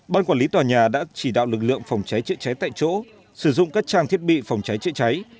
ban quản lý tòa nhà đã chỉ đạo lực lượng phòng cháy chữa cháy tại chỗ sử dụng các trang thiết bị phòng cháy chữa cháy